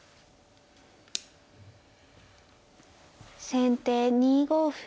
先手２五歩。